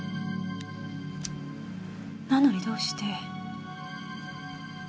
なのにどうして。